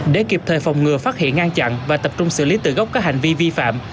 để kịp thời phòng ngừa phát hiện ngăn chặn và tập trung xử lý từ gốc các hành vi vi phạm